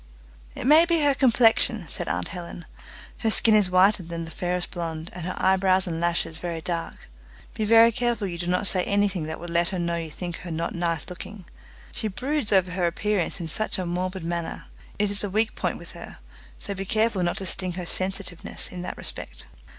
"It may be her complexion," said aunt Helen; "her skin is whiter than the fairest blonde, and her eyebrows and lashes very dark. Be very careful you do not say anything that would let her know you think her not nice looking. She broods over her appearance in such a morbid manner. It is a weak point with her, so be careful not to sting her sensitiveness in that respect."